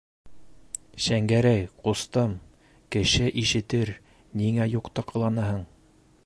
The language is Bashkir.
Шәңгәрәй, ҡустым, кеше ишетер, ниңә юҡты ҡыланаһың?